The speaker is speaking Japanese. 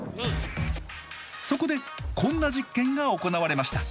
そこでこんな実験が行われました。